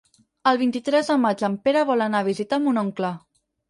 El vint-i-tres de maig en Pere vol anar a visitar mon oncle.